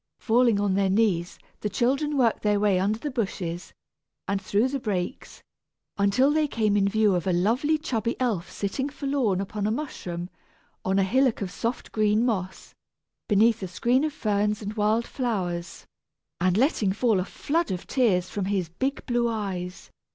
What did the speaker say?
Falling on their knees, the children worked their way under the bushes and through the brakes, until they came in view of a lovely chubby elf sitting forlorn upon a mushroom on a hillock of soft green moss, beneath a screen of ferns and wild flowers, and letting fall a flood of tears from his big blue eyes.